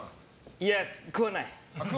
いや、食わない。